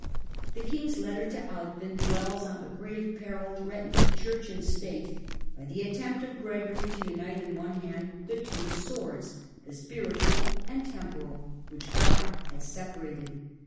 The king's letter to Altwin dwells on the gravB peril threat ened to Church and State by the attempt of Gregory to unite in one hand the two swords — the spiritual and temporal — ^which God had separated.